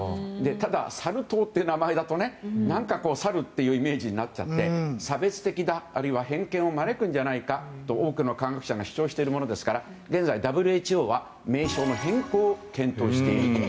ただ、サル痘という名前だと何かサルというイメージになってしまって差別的だ、あるいは偏見を招くんじゃないかと多くの科学者が主張しているものですから現在、ＷＨＯは名称の変更を検討していると。